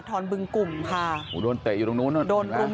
ช่องบ้านต้องช่วยแจ้งเจ้าหน้าที่เพราะว่าโดนรุมจนโอ้โหโดนฟันแผลเวิกวะค่ะ